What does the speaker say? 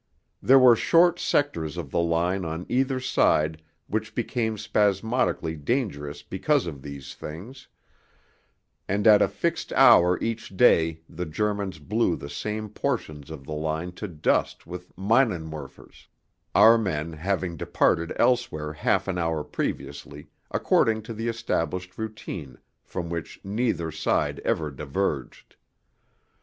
There were short sectors of the line on either side which became spasmodically dangerous because of these things, and at a fixed hour each day the Germans blew the same portions of the line to dust with minenwerfers, our men having departed elsewhere half an hour previously, according to the established routine from which neither side ever diverged.